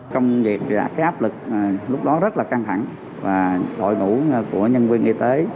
công việc là cái áp lực lúc đó rất là căng thẳng và đội ngũ của nhân viên y tế